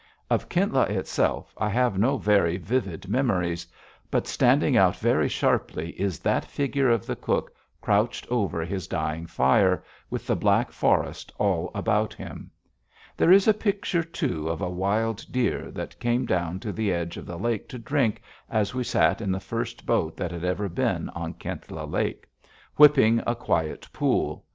Of Kintla itself, I have no very vivid memories. But standing out very sharply is that figure of the cook crouched over his dying fire, with the black forest all about him. There is a picture, too, of a wild deer that came down to the edge of the lake to drink as we sat in the first boat that had ever been on Kintla Lake, whipping a quiet pool.